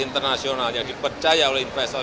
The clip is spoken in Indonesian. internasional yang dipercaya oleh investor